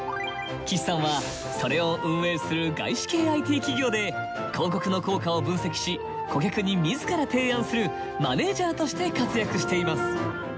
岸さんはそれを運営する外資系ＩＴ企業で広告の効果を分析し顧客に自ら提案するマネージャーとして活躍しています。